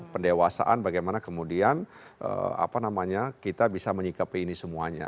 pendewasaan bagaimana kemudian kita bisa menyikapi ini semuanya